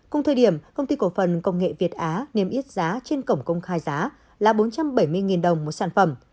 cùng thời điểm công ty cổ phần công nghệ việt á niêm yết giá trên cổng công khai giá là bốn trăm bảy mươi đồng một sản phẩm